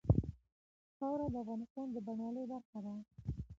خاوره د افغانستان د بڼوالۍ برخه ده.